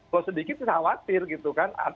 kalau sedikit kita khawatir gitu kan